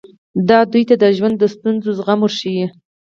دا دوی ته د ژوند د ستونزو زغم ورښيي.